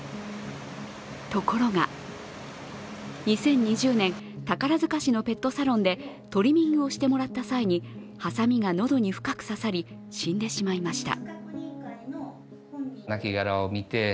ところが、２０２０年、宝塚市のペットサロンでトリミングをしてもらった際にはさみが喉に深く刺さり、死んでしまいました。